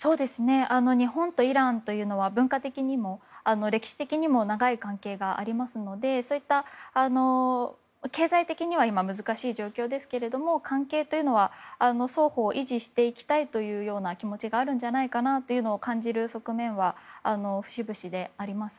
日本とイランは文化的にも歴史的にも長い関係がありますので経済的には今、難しい状況ですが関係は双方維持していきたいという気持ちがあるのではないかなと感じる側面は節々であります。